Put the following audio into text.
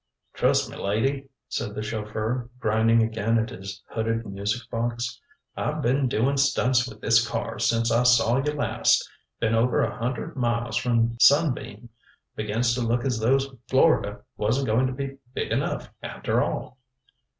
"Trust me, lady," said the chauffeur, grinding again at his hooded music box. "I've been doing stunts with this car since I saw you last. Been over a hundred miles from Sunbeam. Begins to look as though Florida wasn't going to be big enough, after all."